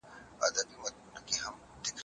ليکل وکړه.